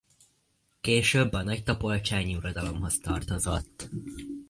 Később a nagytapolcsányi uradalomhoz tartozott.